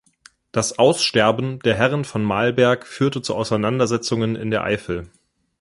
Das Aussterben der Herren von Malberg führte zu Auseinandersetzungen in der Eifel.